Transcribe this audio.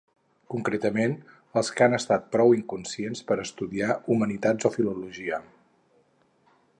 Concretament als que han estat prou inconscients per estudiar Humanitats o Filologia.